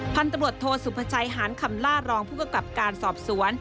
พันธุ์ตำรวจโทสุภาชัยหานคำล่ารองผู้กำกับการสอบสวน